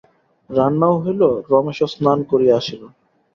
রান্নাও হইল, রমেশও স্নান করিয়া আসিল।